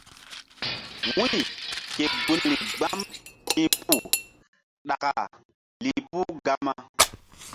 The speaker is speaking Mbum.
Wu̧y ke gunri gbam ti̧h puh ɗaka lih puh gama.